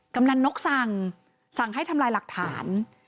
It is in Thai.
กำลังนกสั่งสั่งให้ทำลายหลักฐาน